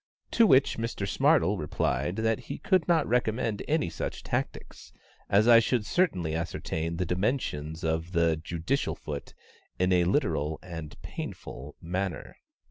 To which Mr SMARTLE replied that he could not recommend any such tactics, as I should certainly ascertain the dimensions of the judicial foot in a literal and painful manner.